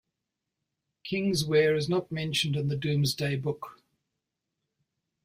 Kingswear is not mentioned in the Domesday Book.